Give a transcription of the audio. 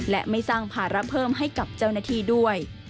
และไม่สร้างภาระเพิ่มให้กับเจ้าหน้าที่ด้วย